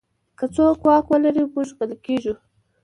که څوک واک ولري، موږ غلی کېږو.